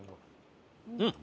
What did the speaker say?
うん。